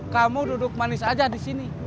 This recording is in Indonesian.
kamu duduk manis aja disini